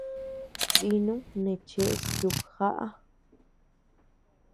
Dinuu neé cheʼes yukjaʼa.